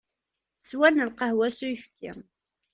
Swan lqahwa s uyefki.